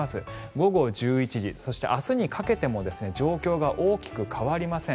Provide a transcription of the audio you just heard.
午後１１時そして明日にかけても状況が大きく変わりません。